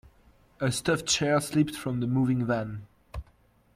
A stuffed chair slipped from the moving van.